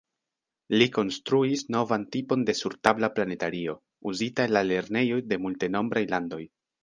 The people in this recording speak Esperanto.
Li konstruis novan tipon de sur-tabla planetario uzita en la lernejoj de multenombraj landoj.